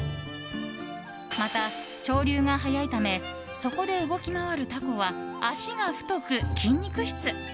また、潮流が速いためそこで動き回るタコは足が太く筋肉質。